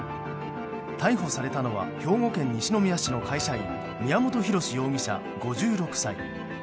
逮捕されたのは兵庫県西宮市の会社員宮本浩志容疑者、５６歳。